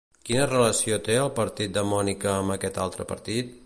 Quina relació té el partit de Mónica amb aquest altre partit?